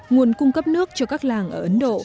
nguồn cung cấp nước cho các làng ở ấn độ